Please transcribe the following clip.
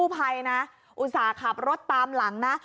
ภัยนะอุตส่าห์ขับรถตามหลังนะ